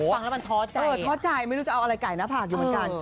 ฟังแล้วมันท้อใจเออท้อใจไม่รู้จะเอาอะไรไก่หน้าผากอยู่เหมือนกัน